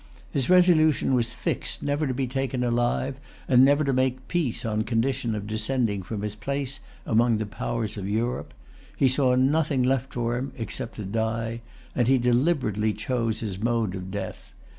His resolution was fixed never to be taken alive, and never to make peace on condition of descending from his place among the powers of Europe. He saw nothing left for him except to die; and he deliberately chose his mode of death.